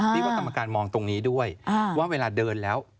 พี่ว่ากรรมการมองตรงนี้ด้วยว่าเวลาเดินแล้ว